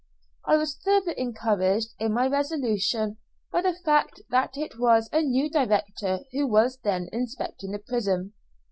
I was further encouraged in my resolution by the fact that it was a new director who was then inspecting the prison.